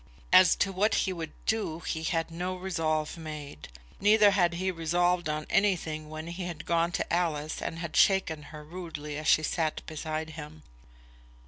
As to what he would do he had no resolve made. Neither had he resolved on anything when he had gone to Alice and had shaken her rudely as she sat beside him.